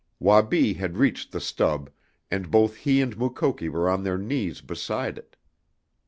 Wabi had reached the stub, and both he and Mukoki were on their knees beside it.